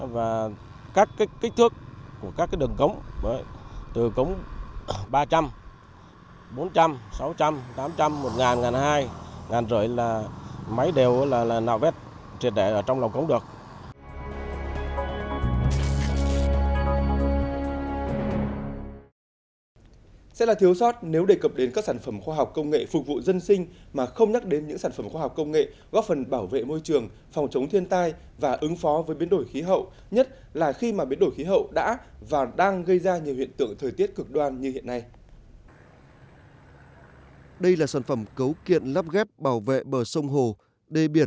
và các kích thước của các đường cống từ cống ba trăm linh bốn trăm linh sáu trăm linh tám trăm linh một nghìn một nghìn hai trăm linh một nghìn năm trăm linh là máy đều nạo vét